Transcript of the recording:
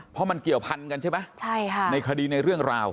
เพราะมันเกี่ยวพันกันใช่ไหมใช่ค่ะในคดีในเรื่องราว